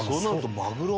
マグロ。